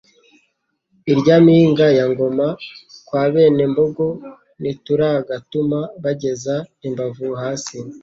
ilya mpinga ya Ngoma kwa bene Mbogo ntituragatuma bageza imbavu hasi;